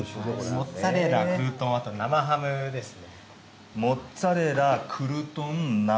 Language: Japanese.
モッツァレラ、クルトン生ハムですね。